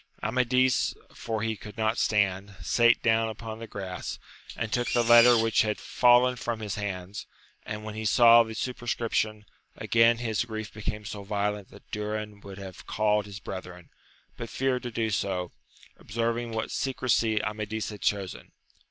Amadis, for he could not stand, sate down upon the grass, and took the letter which had fallen from his hands, and, when he saw the superscription, again his grief became so violent that Durin would have called his brethren, but feared to do so, observing what secresy Amadis had chosen.